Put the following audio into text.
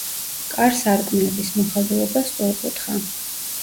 კარ-სარკმლების მოხაზულობა სწორკუთხა.